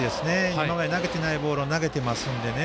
今まで投げていないボールを投げていますのでね。